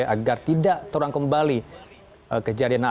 agar tidak terang kembali ke jadian akhir